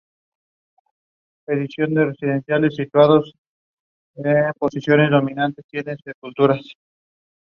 Es la universidad pública más antigua del estado de California.